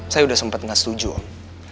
saya udah sempet gak setuju om